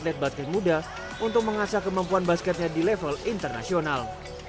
atlet baskin muda untuk mengasah kemampuan basketnya di level internasional